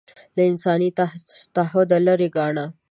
له انساني تعهد لرې ګاڼه